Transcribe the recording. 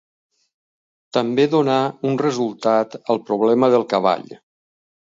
També donà un resultat al problema del cavall.